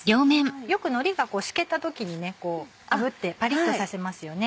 よくのりが湿気た時にあぶってパリっとさせますよね。